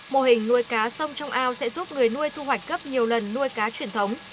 mô hình nuôi cá sông trong ao sẽ giúp người nuôi thu hoạch cấp nhiều lần nuôi cá truyền thống